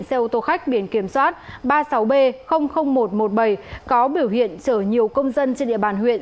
xe ô tô khách biển kiểm soát ba mươi sáu b một trăm một mươi bảy có biểu hiện chở nhiều công dân trên địa bàn huyện